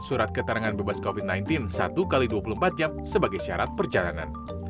surat keterangan bebas covid sembilan belas satu x dua puluh empat jam sebagai syarat perjalanan